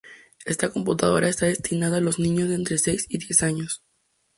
Esta computadora está destinada a los niños de entre seis y diez años.